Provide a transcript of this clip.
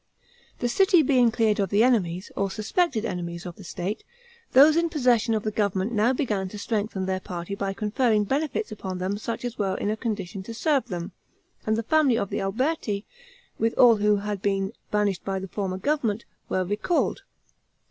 The city being cleared of the enemies, or suspected enemies of the state, those in possession of the government now began to strengthen their party by conferring benefits upon such as were in a condition to serve them, and the family of the Alberti, with all who had been banished by the former government, were recalled.